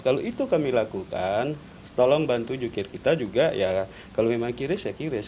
kalau itu kami lakukan tolong bantu jukir kita juga ya kalau memang kiris ya kiris